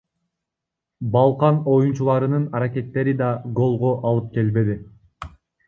Балкан оюнчуларынын аракеттери да голго алып келбеди.